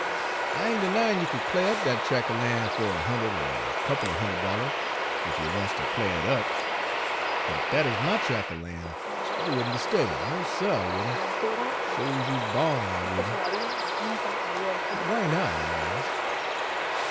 I ain' denyin' you could cl'ar up dat trac' er fan' fer a hund'ed er a couple er hund'ed dollahs, ef you wants ter cl'ar it up. But ef dat 'uz my trac' er lan', I wouldn' 'sturb it, no, suh, I wouldn'; sho's you bawn, I wouldn'." "But why not?" I asked.